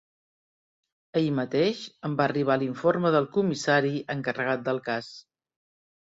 Ahir mateix em va arribar l'informe del comissari encarregat del cas.